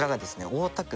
大田区